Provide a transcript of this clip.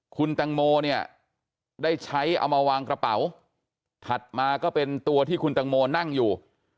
คุณตังโมเนี่ยได้ใช้เอามาวางกระเป๋าถัดมาก็เป็นตัวที่คุณตังโมนั่งอยู่